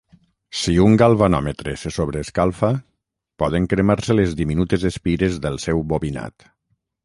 Si un galvanòmetre se sobreescalfa, poden cremar-se les diminutes espires del seu bobinat.